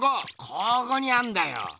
ここにあんだよ。